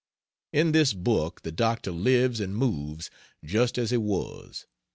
In this book the doctor lives and moves just as he was.